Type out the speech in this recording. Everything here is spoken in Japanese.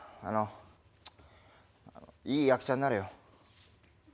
あのいい役者になれよ。